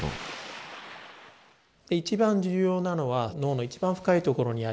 一番重要なのは脳の一番深いところにあります